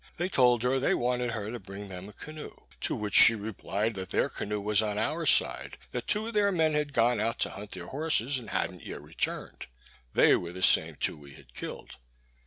They told her they wanted her to bring them a canoe. To which she replied, that their canoe was on our side; that two of their men had gone out to hunt their horses and hadn't yet returned. They were the same two we had killed.